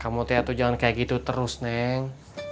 kamu tea tuh jangan kayak gitu terus neng